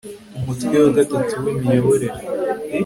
umutwe wa gatatu w imiyoborere